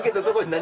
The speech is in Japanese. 何？